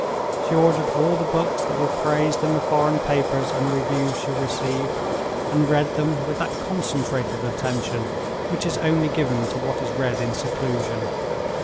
She ordered all the books that were praised in the foreign papers and reviews she received, and read them with that concentrated attention which is only given to what is read in seclusion.